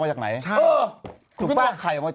ไม่รถลูกอม